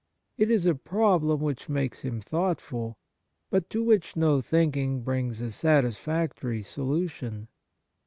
It is a problem which makes him thoughtful, but to which no thinking brings a satisfactory solution.